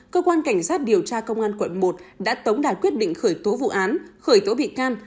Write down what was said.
cơ quan cảnh sát điều tra công an quận một đã tống đạt quyết định khởi tố vụ án khởi tố bị can